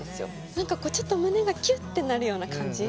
何かちょっと胸がキュッてなるような感じ。